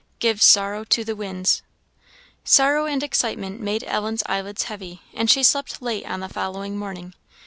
Gives sorrow to the winds. Sorrow and excitement made Ellen's eyelids heavy, and she slept late on the following morning.